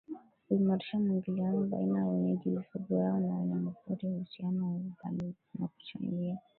huimarisha mwingiliano baina ya wenyeji mifugo yao na wanyamapori Uhusiano huu mbali na kuchangia